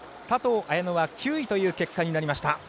佐藤綾乃は９位という結果になりました。